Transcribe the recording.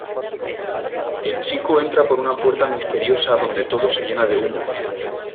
El chico entra por una puerta misteriosa donde todo se llena de humo.